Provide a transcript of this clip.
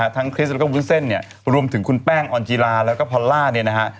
คริสแล้วก็วุ้นเส้นเนี่ยรวมถึงคุณแป้งออนจีลาแล้วก็พอลล่าเนี่ยนะฮะ